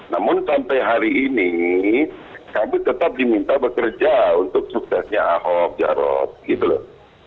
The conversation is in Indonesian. namun sampai hari ini kami tetap diminta bekerja untuk suksesnya ahok jarot gitu loh